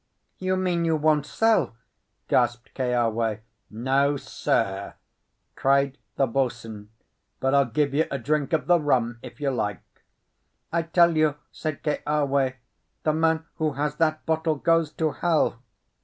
"You mean you won't sell?" gasped Keawe. "No, sir!" cried the boatswain. "But I'll give you a drink of the rum, if you like." "I tell you," said Keawe, "the man who has that bottle goes to hell."